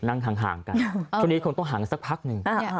นั่งห่างกันช่วงนี้คงต้องห่างกันสักพักหนึ่ง